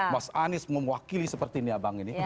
mas anies mewakili seperti ini abang ini